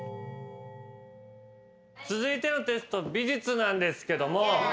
続いてのテスト美術なんですけども。